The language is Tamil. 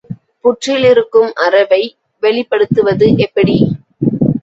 புற்றில் இருக்கும் அரவை வெளிப்படுத்துவது எப்படி?